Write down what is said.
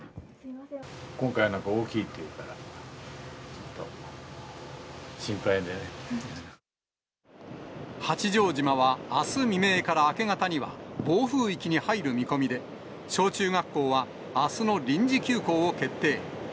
今回のは大きいっていうから、八丈島はあす未明から明け方には、暴風域に入る見込みで、小中学校はあすの臨時休校を決定。